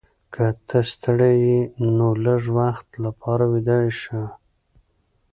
که ته ستړې یې نو لږ وخت لپاره ویده شه.